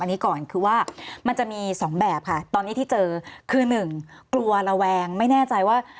อันนี้ก่อนคือว่ามันจะมีสองแบบค่ะตอนนี้ที่เจอคือหนึ่งกลัวระแวงไม่แน่ใจว่า